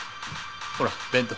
ほら弁当。